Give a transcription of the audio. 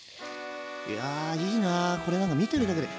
いやいいなこれなんか見てるだけで。